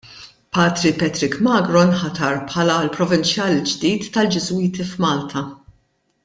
Patri Patrick Magro nħatar bħala l-Provinċjal il-ġdid tal-Ġiżwiti f'Malta.